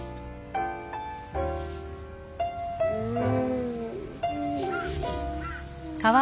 うん。